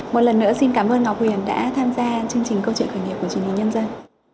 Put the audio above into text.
một lần nữa xin cảm ơn ngọc huyền đã tham gia chương trình câu chuyện khởi nghiệp của truyền hình nhân dân